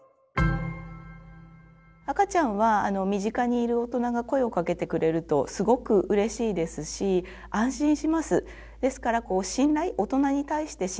赤ちゃんは身近にいる大人が声をかけてくれるとすごくうれしいですし安心します。